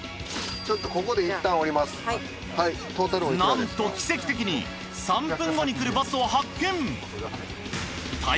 ちょっとなんと奇跡的に３分後に来るバスを発見！